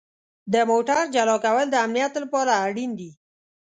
د موټر جلا کول د امنیت لپاره اړین دي.